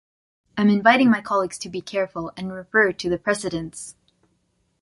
I’m inviting my colleagues to be careful and to refer to the precedents.